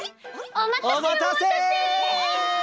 おまたせ！